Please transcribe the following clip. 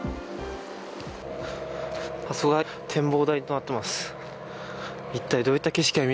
あそこが展望台となっています。